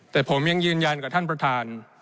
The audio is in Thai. แต่ผมยังยืนยันกับท่านประธาน